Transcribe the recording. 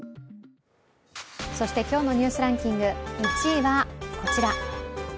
そして、今日の「ニュースランキング」１位はこちら。